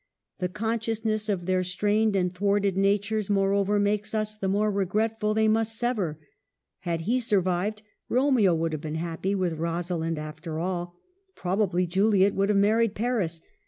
The consciousness of their strained and thwarted na tures, moreover, makes us the more regretful they must sever. Had he survived, Romeo would have been happy with Rosalind, after all ; probably Juliet would have married Paris.